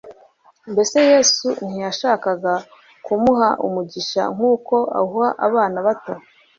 Mbese Yesu ntiyashakaga kumuha umugisha nk'uko awuha abana bato,